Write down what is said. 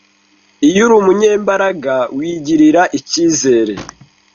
Iyo uri umunyembaraga, wigirira icyizere